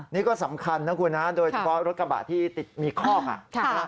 นี่ก็สำคัญนะคุณนะโดยเฉพาะรถกระบะที่ติดมีคอกอ่ะ